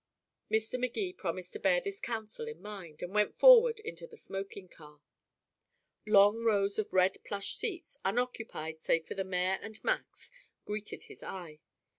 Mr. Magee promised to bear this counsel in mind, and went forward into the smoking car. Long rows of red plush seats, unoccupied save for the mayor and Max, greeted his eye.